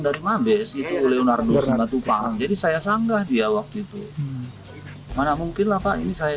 dari mabes itu oleh unardo sematupang jadi saya sanggah dia waktu itu mana mungkin lah pak ini saya